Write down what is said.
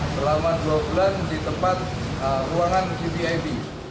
selama dua bulan di tempat ruangan vvip